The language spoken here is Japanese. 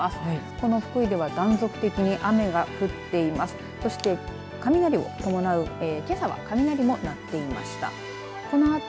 この福井では、断続的に雨が降っています。